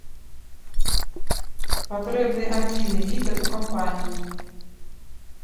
Патрэбны адзіны лідар у кампаніі.